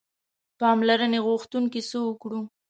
پاملرنې غوښتونکي څه وکړو.